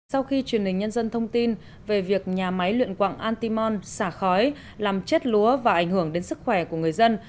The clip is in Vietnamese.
sau khi truyền hình nhân dân thông tin về việc nhà máy luyện quạng antimon xả khói làm chết lúa và ảnh hưởng đến sức khỏe của người dân